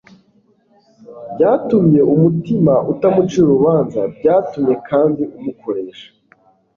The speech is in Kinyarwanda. byatumye umutima utamucira urubanza Byatumye kandi umukoresha